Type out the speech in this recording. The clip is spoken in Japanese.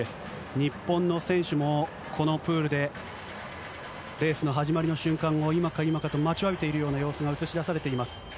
日本の選手もこのプールでレースの始まりの瞬間を、今か今かと待ちわびているような様子が映し出されています。